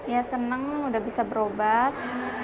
ya seneng udah bisa berobat